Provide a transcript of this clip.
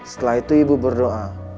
setelah itu ibu berdoa